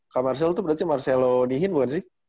kak marcel itu berarti marcelo dihin bukan sih